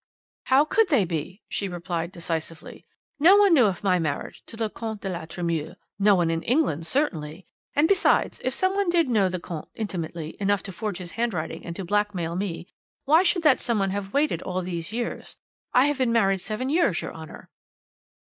"'How could they be?' she replied decisively; no one knew of my marriage to the Comte de la Tremouille, no one in England certainly. And, besides, if some one did know the Comte intimately enough to forge his handwriting and to blackmail me, why should that some one have waited all these years? I have been married seven years, your Honour.'